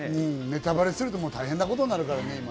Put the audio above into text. ネタバレすると大変なことになるからね。